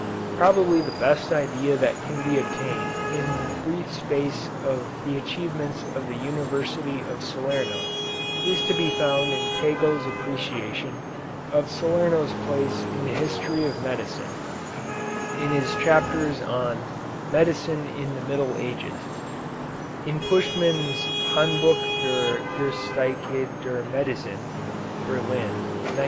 Probably the best idea that can be obtained in brief space of the achievements of the University of Salerno is to be found in Pagel's appreciation of Salerno's place in the history of medicine in his chapters on "Medicine in the Middle Ages" in Puschmann's "Handbuch der Geschichte der Medizin" (Berlin, 1902).